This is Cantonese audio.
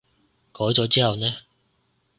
改咗之後呢？